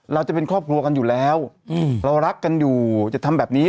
เราจะเป็นครอบครัวกันอยู่แล้วเรารักกันอยู่จะทำแบบนี้